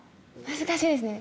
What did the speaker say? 難しいですね。